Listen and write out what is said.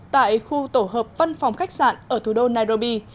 tại khu tổ hợp văn phòng khách sạn ở thủ đô nairobi